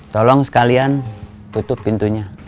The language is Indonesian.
tolong sekalian tutup pintunya